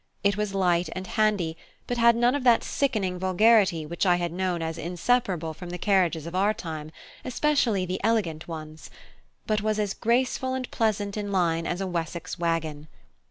It was light and handy, but had none of that sickening vulgarity which I had known as inseparable from the carriages of our time, especially the "elegant" ones, but was as graceful and pleasant in line as a Wessex waggon.